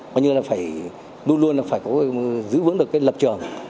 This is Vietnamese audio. coi như là phải luôn luôn là phải giữ vững được cái lập trường